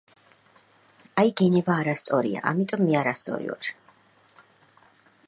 აი გინება არასწორია.ამიტომ, მე არასწორი ვარ